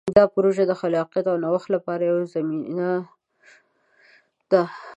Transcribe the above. دا پروژه د خلاقیت او نوښت لپاره یوه زمینه ده.